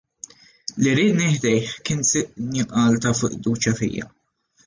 Li riedni ħdejh kien sinjal ta' fiduċja fija.